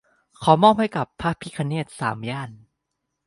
ขอมอบให้กับ "พระพิฆเนศสามย่าน"